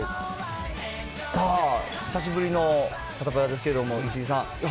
さあ、久しぶりのサタプラですけれども、石井さん。